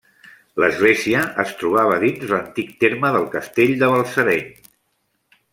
L'església es trobava dins l'antic terme del castell de Balsareny.